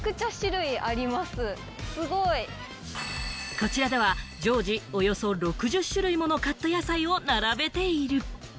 こちらでは常時およそ６０種類ものカット野菜を並べている。